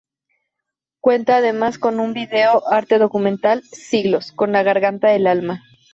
Cuenta además con un video arte documental "Siglos... con la garganta del alma".